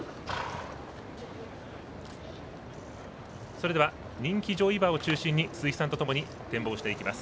それでは人気上位馬を中心に鈴木さんとともに展望していきます。